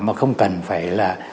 mà không cần phải là